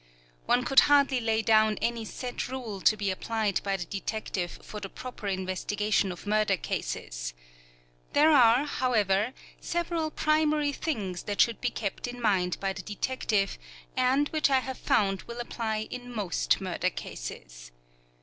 One could hardly lay down any set rule to be applied by the detective for the proper investigation of murder cases. There are, however, several primary things that should be kept in mind by the detective, and which I have found will apply in most murder cases.